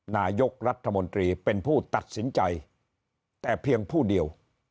นายกรัฐมนตรีเป็นผู้ตัดสินใจแต่เพียงผู้เดียว